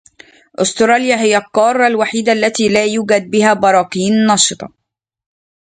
استراليا هي القارة الوحيدة التي لاتوجد فيها براكين نشطة.